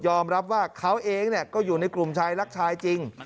รับว่าเขาเองก็อยู่ในกลุ่มชายรักชายจริง